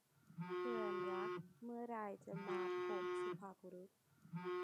เพื่อนรัก เมื่อไหร่จะมาพบสุภาพบุรุษ